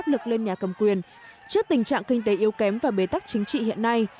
với áp lực lên nhà cầm quyền trước tình trạng kinh tế yếu kém và bề tắc chính trị hiện nay